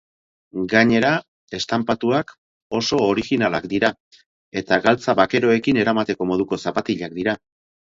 Gainera, estanpatuak oso orijinalak dira eta galtza bakeroekin eramateko moduko zapatilak dira.